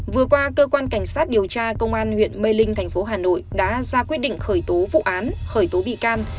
vừa qua cơ quan cảnh sát điều tra công an huyện mê linh thành phố hà nội đã ra quyết định khởi tố vụ án khởi tố bị can